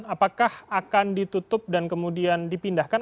apakah akan ditutup dan kemudian dipindahkan